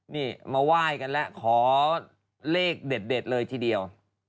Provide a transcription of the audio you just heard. นี่มาไหว้กันแล้วขอเลขเด็ดเลยทีเดียว